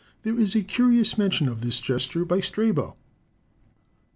There is a curious mention of this gesture by Strabo."